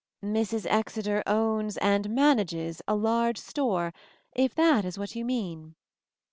"Mrs. Exeter owns — and manages — a large store, if that is what you mean."